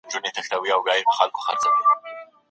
جراحي عملیات چيري ترسره کیږي؟